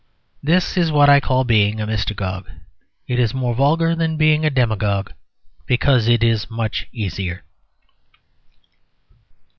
This is what I call being a mystagogue. It is more vulgar than being a demagogue; because it is much easier.